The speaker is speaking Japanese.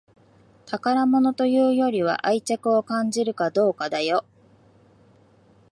宝物というのは愛着を感じるかどうかだよ